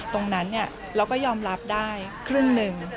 ตรงนั้นเราก็ยอมรับได้ครึ่งหนึ่ง